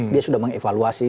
dia sudah mengevaluasi